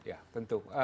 ya ya tentu